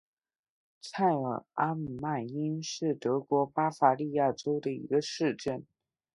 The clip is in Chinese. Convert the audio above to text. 蔡尔阿姆迈因是德国巴伐利亚州的一个市镇。